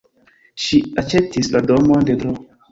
Ŝi aĉetis la domon de Dro.